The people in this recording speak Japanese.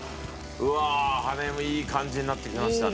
うわあ羽根もいい感じになってきましたね。